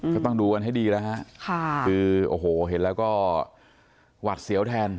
ก็ต้องดูกันให้ดีแล้วฮะคือโอ้โหเห็นแล้วก็หวัดเสียวแทน